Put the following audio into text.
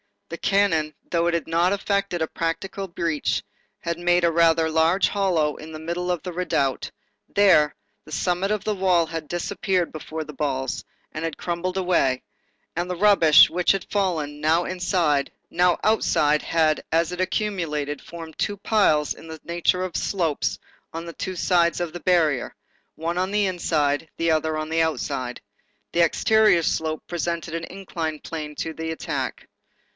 The cannon, though it had not effected a practicable breach, had made a rather large hollow in the middle of the redoubt; there, the summit of the wall had disappeared before the balls, and had crumbled away; and the rubbish which had fallen, now inside, now outside, had, as it accumulated, formed two piles in the nature of slopes on the two sides of the barrier, one on the inside, the other on the outside. The exterior slope presented an inclined plane to the attack.